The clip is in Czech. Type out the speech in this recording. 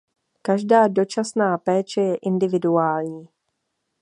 Každá dočasná péče je individuální.